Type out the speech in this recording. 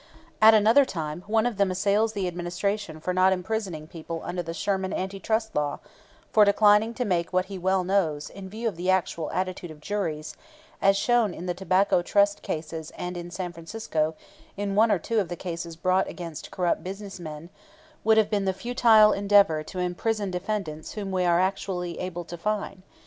At another time, one of them assails the Administration for not imprisoning people under the Sherman Anti Trust Law; for declining to make what he well knows, in view of the actual attitude of juries (as shown in the Tobacco Trust cases and in San Francisco in one or two of the cases brought against corrupt business men) would have been the futile endeavor to imprison defendants whom we are actually able to fine.